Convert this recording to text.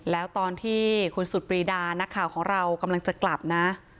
แล้วตอนที่คุณสุดปรีดานักข่าวของเรากำลังจะกลับนะ